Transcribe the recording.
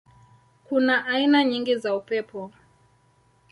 Kuna aina nyingi za upepo.